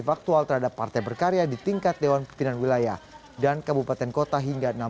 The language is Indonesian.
faktual terhadap partai berkarya di tingkat dewan pimpinan wilayah dan kabupaten kota hingga